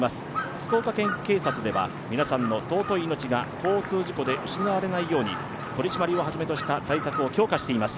福岡県警察では皆さんの尊い命が交通事故で失われないように取り締まりをはじめとした対策を強化しています。